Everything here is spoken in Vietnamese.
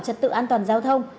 trật tự an toàn giao thông